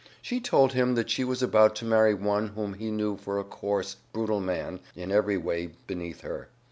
She told him that she was about to marry one whom he knew for a coarse, brutal man, in every way beneath her.